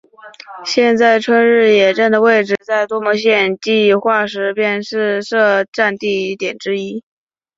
现在春日野站的位置在多摩线计画时便是设站地点之一。